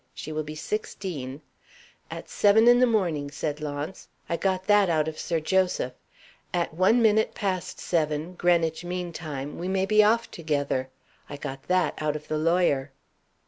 She will be sixteen " "At seven in the morning," said Launce; "I got that out of Sir Joseph. At one minute past seven, Greenwich mean time, we may be off together. I got that out of the lawyer."